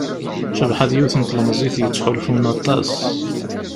Cabḥa d yiwet n tlemẓit yettḥulfun aṭas.